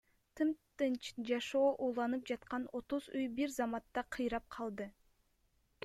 Тыптынч жашоо уланып жаткан отуз үй бир заматта кыйрап калды.